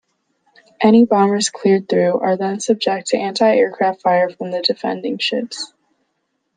Any bombers cleared through are then subject to anti-aircraft fire from the defending ships.